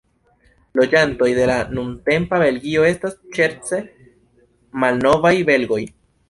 Loĝantoj de la nuntempa Belgio estas ŝerce "malnovaj belgoj".